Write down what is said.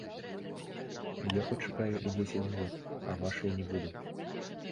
Я пачакаю і дзесяць год, а вашай не буду.